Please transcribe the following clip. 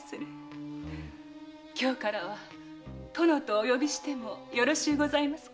今日からは「殿」とお呼びしてもよろしゅうございますか？